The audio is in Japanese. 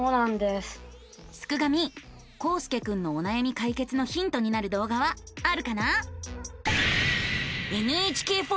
すくガミこうすけくんのおなやみ解決のヒントになる動画はあるかな？